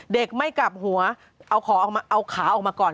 ไม่กลับหัวเอาขาออกมาก่อน